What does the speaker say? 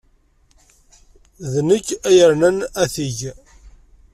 D nekk ay yernan atig.